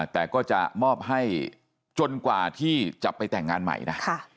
แต่ก็จะมอบให้จนกว่าที่จะไปแต่งงานใหม่นะ